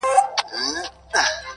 زاړه جنګونه نړۍ بدله کړه